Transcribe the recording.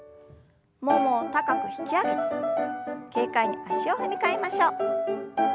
ももを高く引き上げて軽快に足を踏み替えましょう。